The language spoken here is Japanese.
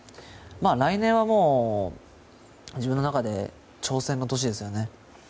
来年は自分の中で挑戦の年ですよね。